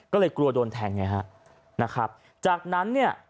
ก็เลยกลัวโดนแทงไงฮะนะครับจากนั้นเนี่ย